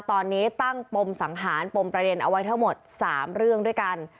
ตอนนี้ตั้งปมสังหารปมประเด็นเอาไว้ทั้งหมด๓เรื่องด้วยกัน